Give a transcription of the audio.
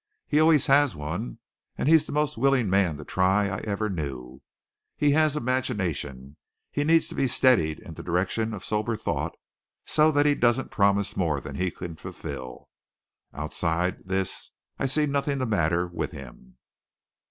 He always has one, and he's the most willing man to try I ever knew. He has imagination. He needs to be steadied in the direction of sober thought, so that he doesn't promise more than he can fulfil. Outside this I see nothing the matter with him."